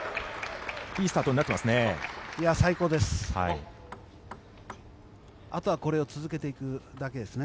いいスタートになってますね。